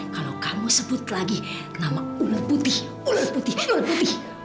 kalau kamu sebut lagi nama ular putih ular putih ular putih